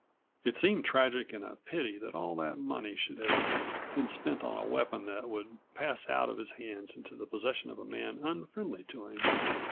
It seemed tragic and a pity that all of that money should have been spent on a weapon that would pass out of his hands into the possession of a man unfriendly to him.